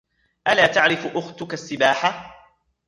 ألا تعرف أختك السباحة ؟